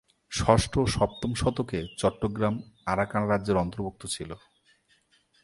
ষষ্ঠ ও সপ্তম শতকে চট্টগ্রাম আরাকান রাজ্যের অন্তর্ভুক্ত ছিল।